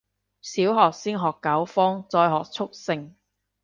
小學先學九方，再學速成